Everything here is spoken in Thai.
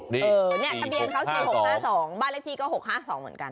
นี่ทะเบียนเขา๔๖๕๒บ้านเลขที่ก็๖๕๒เหมือนกัน